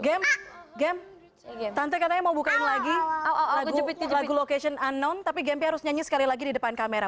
gem tante katanya mau buka yang lagi lagu location unknown tapi gempnya harus nyanyi sekali lagi di depan kamera